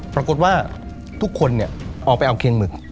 ปรากฏว่าทุกคนออกไปเอาเคงหมึก